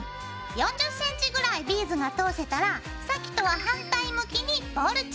４０ｃｍぐらいビーズが通せたらさっきとは反対向きにボールチップ。